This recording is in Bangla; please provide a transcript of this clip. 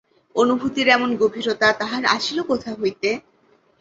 অনুভূতির এমন গভীরতা তাহার আসিল কোথা হইতে?